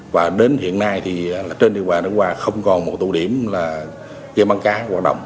và đến hiện nay thì trên địa bàn đức hòa không còn một tổ điểm game bán cá hoạt động